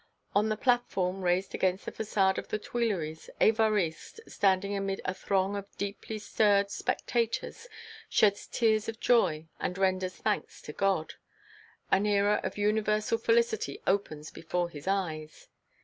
On the platform raised against the façade of the Tuileries, Évariste, standing amid a throng of deeply stirred spectators, sheds tears of joy and renders thanks to God. An era of universal felicity opens before his eyes.